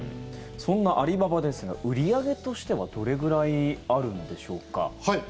そんなアリババですが売り上げとしてはどれぐらいあるんでしょうか。